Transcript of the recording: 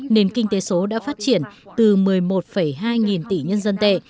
nền kinh tế số đã phát triển từ một mươi một hai nghìn tỷ nhân dân tệ